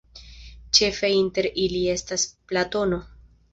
Ĉefe inter ili estas Platono.